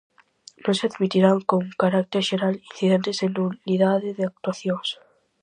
Non se admitirán con carácter xeral incidentes de nulidade de actuacións.